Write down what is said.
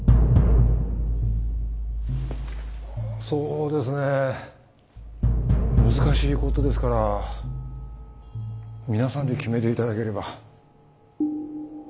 そうですね難しいことですから皆さんで決めていただければ。